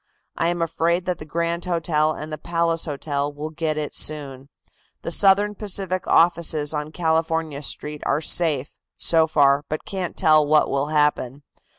I am afraid that the Grand Hotel and the Palace Hotel will get it soon. The Southern Pacific offices on California Street are safe, so far, but can't tell what will happen.